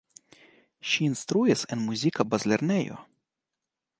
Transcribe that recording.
Ŝi instruis en muzika bazlernejo.